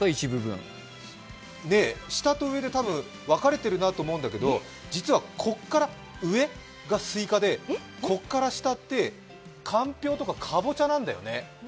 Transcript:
で、下と上で、多分分かれてるなと思うんだけど実はここから上がすいかでここから下って、かんぴょうとかかぼちゃなんだよね。